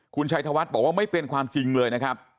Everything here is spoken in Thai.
คุณชัยธวัฒน์บอกว่าไม่เป็นความจริงเลยนะครับ